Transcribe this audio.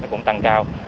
cũng tăng cao